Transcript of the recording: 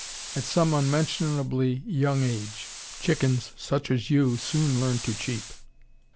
"At some unmentionably young age. Chickens such as you soon learn to cheep."